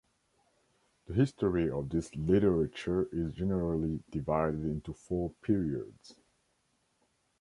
The history of this literature is generally divided into four periods.